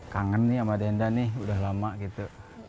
kangen nih sama denda nih udah lama gitu